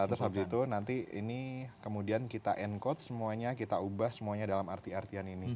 terus habis itu nanti ini kemudian kita encode semuanya kita ubah semuanya dalam arti artian ini